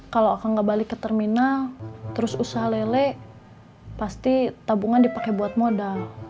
kalau akang gak balik ke terminal terus usaha lele pasti tabungan dipakai buat modal